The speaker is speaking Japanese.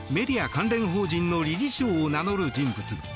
関連法人の理事長を名乗る人物。